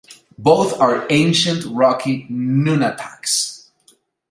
Both are ancient rocky nunataks.